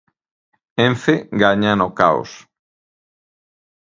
Ence gaña no caos.